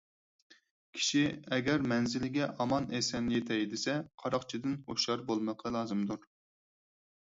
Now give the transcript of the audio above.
كىشى ئەگەر مەنزىلگە ئامان - ئېسەن يېتەي دېسە قاراقچىدىن ھوشيار بولمىقى لازىمدۇر.